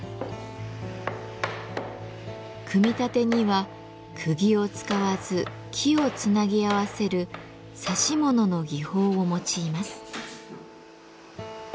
組み立てにはくぎを使わず木をつなぎ合わせる指し物の技法を用います。